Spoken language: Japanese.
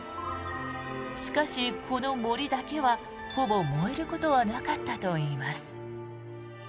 しかし、この杜だけはほぼ燃えることはなかったといいます。